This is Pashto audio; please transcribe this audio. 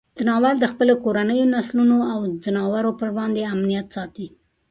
ځناور د خپلو کورنیو نسلونو او ځناورو پر وړاندې امنیت ساتي.